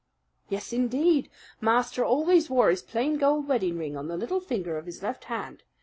"Yes, indeed. Master always wore his plain gold wedding ring on the little finger of his left hand.